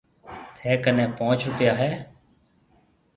ٿَي ڪنَي پونچ روپيا هيَ۔